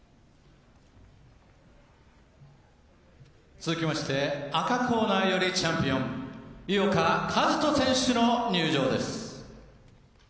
続きまして、赤コーナーよりチャンピオン井岡一翔選手の入場です。